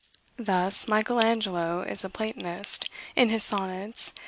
Thus, Michel Angelo is a Platonist, in his sonnets.